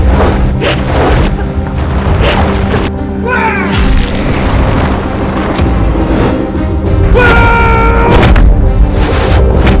sudah merebut kekasihku putri